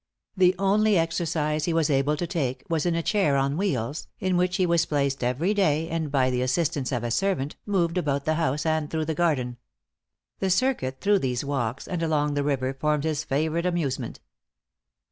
The only exercise he was able to take, was in a chair on wheels, in which he was placed every day, and by the assistance of a servant, moved about the house, and through the garden. The circuit through these walks and along the river, formed his favorite amusement.